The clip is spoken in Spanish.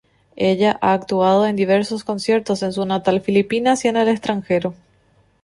Ella ha actuado en diversos conciertos en su natal Filipinas y en el extranjero.